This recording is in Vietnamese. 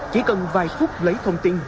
chỉ cần vài phút lấy thông tin